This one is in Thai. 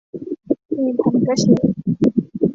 หมี่ผัดกระเฉด